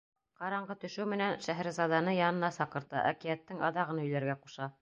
Ҡараңғы төшөү менән Шәһрезаданы янына саҡырта, әкиәттең аҙағын һөйләргә ҡуша.